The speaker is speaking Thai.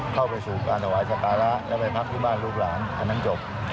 เข้าไปสู่การถวายสการะแล้วไปพักที่บ้านลูกหลานอันนั้นจบ